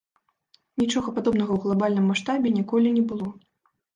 Нічога падобнага ў глабальным маштабе ніколі не было.